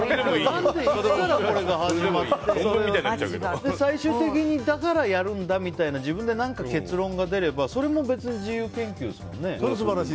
何でこれが始まって最終的にだからやるんだみたいな自分で結論が出れば、それも自由研究ですもんね。